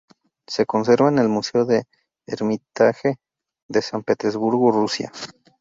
Se conserva en el Museo del Hermitage de San Petersburgo, Rusia.